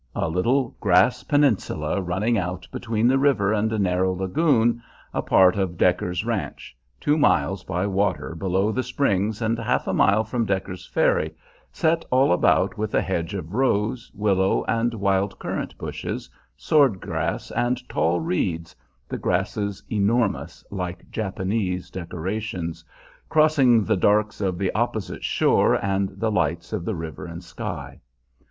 A little grass peninsula running out between the river and a narrow lagoon, a part of Decker's ranch, two miles by water below the Springs and half a mile from Decker's Ferry, set all about with a hedge of rose, willow, and wild currant bushes, sword grass, and tall reeds, the grasses enormous, like Japanese decorations, crossing the darks of the opposite shore and the lights of the river and sky.